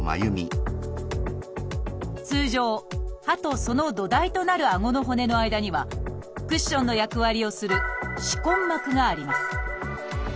通常歯とその土台となるあごの骨の間にはクッションの役割をする「歯根膜」があります。